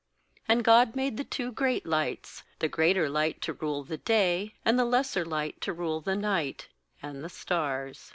16And God made the two great lights: the greater light to rule the day, and the lesser light to rule the night; and the stars.